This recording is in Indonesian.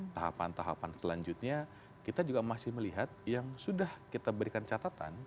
tahapan tahapan selanjutnya kita juga masih melihat yang sudah kita berikan catatan